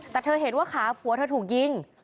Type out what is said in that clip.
แต่เธอเห็นว่าขาผัวเธอถูกยิง